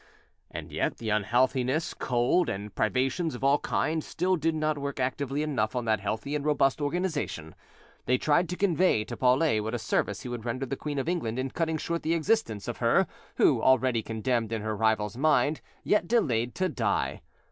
And yet the unhealthiness, cold, and privations of all kinds still did not work actively enough on that healthy and robust organisation. They tried to convey to Paulet what a service he would render the Queen of England in cutting short the existence of her who, already condemned in her rival's mind, yet delayed to die.